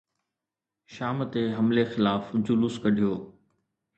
شام تي حملي خلاف جلوس ڪڍيو